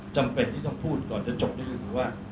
จำเป็นที่ต้องพูดก่อนจะจบนี่ก็คือว่า